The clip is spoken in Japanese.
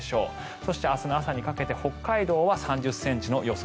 そして、明日の朝にかけて北海道は３０ｃｍの予想